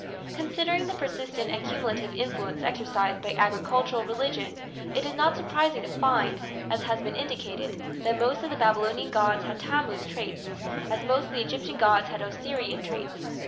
Considering the persistent and cumulative influence exercised by agricultural religion it is not surprising to find, as has been indicated, that most of the Babylonian gods had Tammuz traits, as most of the Egyptian gods had Osirian traits.